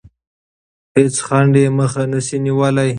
هیڅ خنډ یې مخه نه شي نیولی.